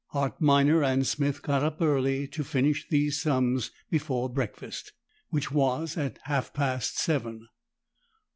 Hart Minor and Smith got up early to finish these sums before breakfast, which was at half past seven.